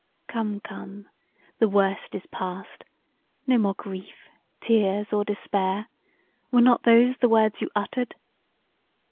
Come, come, the worst is past: no more grief, tears or despair; were not those the words you uttered?